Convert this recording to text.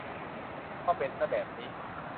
ก็เป็นซะแบบนี้